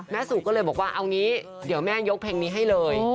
สุก็เลยบอกว่าเอางี้เดี๋ยวแม่ยกเพลงนี้ให้เลย